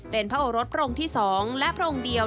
เป็นพระโอรสพระองค์ที่๒และพระองค์เดียว